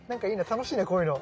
楽しいなこういうの。